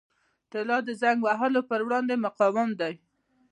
طلا د زنګ وهلو پر وړاندې مقاوم دی.